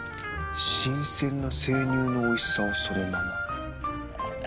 新鮮な生乳のおいしさをそのまま。